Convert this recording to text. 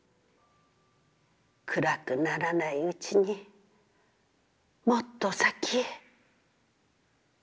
『暗くならないうちに、もっと先へ』